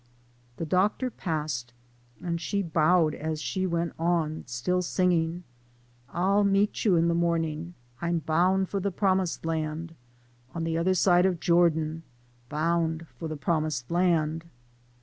The Doctor passed, and she bowed as she went on, still singing : I'll meet you in the mornin', I'm boun' for de promised land, On the oder Bide of Jordan, Boun' for de promised land.